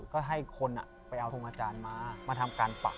ก็ให้คนไปเอาทรงอาจารย์มามาทำการปัก